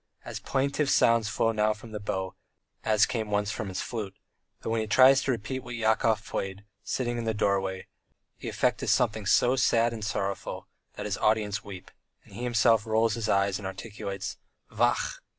As plaintive sounds flow now from his bow, as came once from his flute, but when he tries to repeat what Yakov played, sitting in the doorway, the effect is something so sad and sorrowful that his audience weep, and he himself rolls his eyes and articulates "Vachhh!